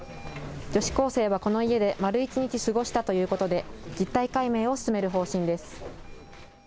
女子高生はこの家で丸一日過ごしたということで実態解明を進める方針です。